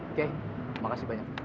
oke makasih banyak